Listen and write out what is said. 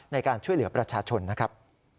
ในการช่วยเหลือประชาชนนะครับ